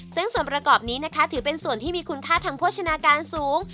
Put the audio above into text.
ซึ่งส่วนประกอบนี้นะคะถือเป็นส่วนที่มีคุณค่าทางโภชนาการสูง